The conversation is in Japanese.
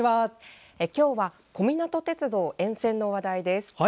今日は小湊鐵道沿線の話題です。